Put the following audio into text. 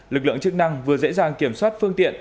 lực lượng chức năng vừa dễ dàng kiểm soát phương tiện